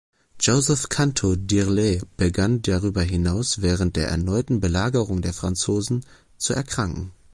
Joseph Canto d’Irles begann darüber hinaus während der erneuten Belagerung der Franzosen zu erkranken.